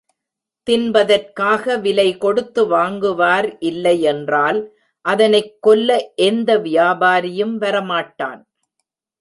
தின்பதற்காக விலை கொடுத்து வாங்குவார் இல்லை என்றால், அதனைக் கொல்ல எந்த வியாபாரியும் வர மாட்டான்.